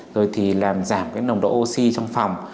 rồi thì làm giảm nồng độ oxy trong phòng